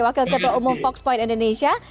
wakil ketua umum fox point indonesia